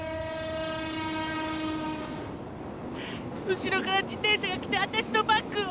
後ろから自転車が来てあたしのバッグを。